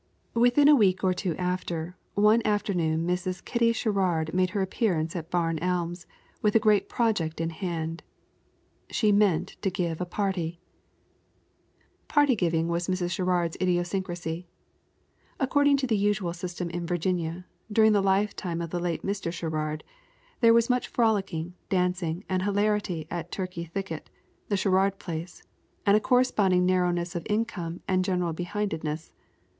Within a week or two after, one afternoon Mrs. Kitty Sherrard made her appearance at Barn Elms, with a great project in hand. She meant to give a party. Party giving was Mrs. Sherrard's idiosyncrasy. According to the usual system in Virginia, during the lifetime of the late Mr. Sherrard, there was much frolicking, dancing, and hilarity at Turkey Thicket, the Sherrard place, and a corresponding narrowness of income and general behindhandedness.